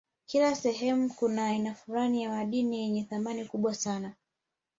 Kila sehemu kuna aina fulani ya madini yenye thamani kubwa sana